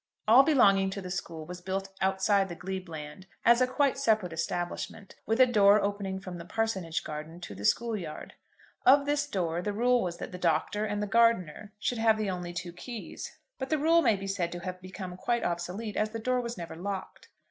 All belonging to the school was built outside the glebe land, as a quite separate establishment, with a door opening from the parsonage garden to the school yard. Of this door the rule was that the Doctor and the gardener should have the only two keys; but the rule may be said to have become quite obsolete, as the door was never locked.